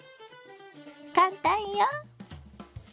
簡単よ！